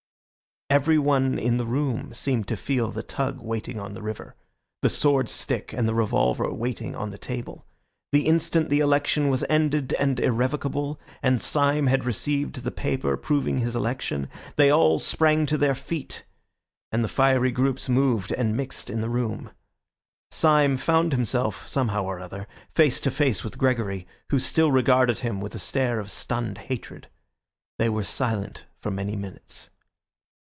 Everyone in the room seemed to feel the tug waiting on the river, the sword stick and the revolver, waiting on the table. The instant the election was ended and irrevocable, and Syme had received the paper proving his election, they all sprang to their feet, and the fiery groups moved and mixed in the room. Syme found himself, somehow or other, face to face with Gregory, who still regarded him with a stare of stunned hatred. They were silent for many minutes.